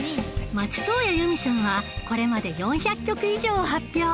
松任谷由実さんはこれまで４００曲以上を発表